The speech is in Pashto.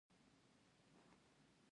د عسکري دورې د پوره کولو په صورت کې.